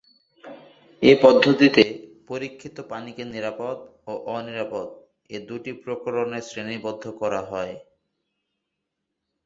এ পদ্ধতিতে পরীক্ষিত পানিকে নিরাপদ ও অনিরাপদ - এ দুটি প্রকরণে শ্রেণিবদ্ধ করা হয়।